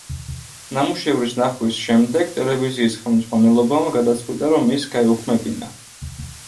ნამუშევრის ნახვის შემდეგ, ტელევიზიის ხელმძღვანელობამ გადაწყვიტა, რომ ის გაეუქმებინა.